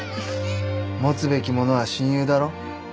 持つべきものは親友だろ？